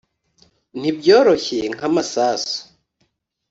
nibyoroshye nka masasu